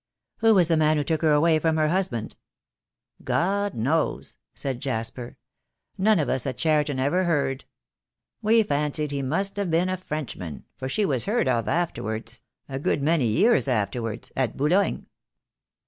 "Who was the man who took her away from her husband?" "God knows," said Jasper. "None of us at Cheriton ever heard. We fancied he must have been a French man, for she was heard of afterwards — a good many years afterwards — at Boulogne.